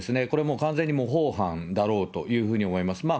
これもう完全に模倣犯だろうというふうに思います。